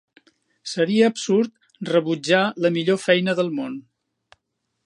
Seria absurd rebutjar la millor feina del món.